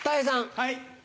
はい。